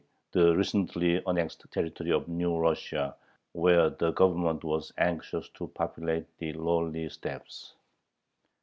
e._ the recently annexed territory of New Russia, where the Government was anxious to populate the lonely steppes.